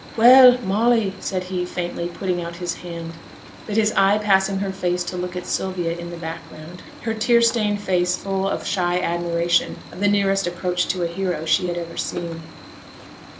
'Well, Molly,' said he, faintly, putting out his hand, but his eye passing her face to look at Sylvia in the background, her tear stained face full of shy admiration of the nearest approach to a hero she had ever seen.